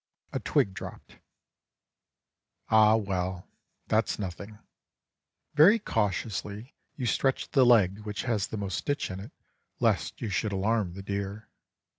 A twig dropped. Ah well! that's nothing. Very cautiously you stretch the leg which has the most stitch in it lest you should alarm the deer.